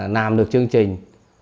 làm được chương trình